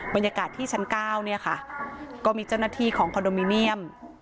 บรรยากาศที่ชั้น๙เนี่ยค่ะก็มีเจ้าหน้าที่ของคอนโดมิเนียม